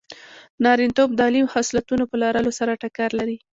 نارینتوب د عالي خصلتونو په لرلو سره ټکر لري.